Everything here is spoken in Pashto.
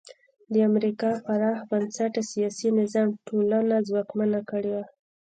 د امریکا پراخ بنسټه سیاسي نظام ټولنه ځواکمنه کړې وه.